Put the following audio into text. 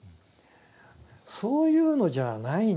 そういうのじゃないんですと。